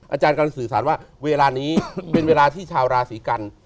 อาจารย์กำลังสื่อสารว่าเวลานี้เป็นเวลาที่ชาวราศีกัน